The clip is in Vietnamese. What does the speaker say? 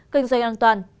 kinh doanh an toàn